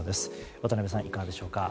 渡辺さん、いかがでしょうか。